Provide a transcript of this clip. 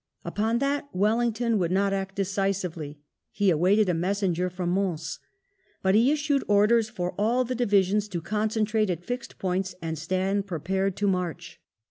Upon that Wellington would not act decisively : he awaited a messenger from Mons ; but he issued orders for all the divisions to concentrate at fixed points and stand prepared to march.